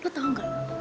lo tau gak